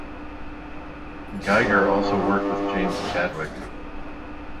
Geiger also worked with James Chadwick.